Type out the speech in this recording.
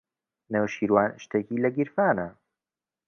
نەوشیروان شتێکی لە گیرفانە.